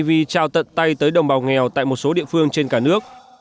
ngân hàng bidv đã tận tay tới đồng bào nghèo tại một số địa phương trên cả nước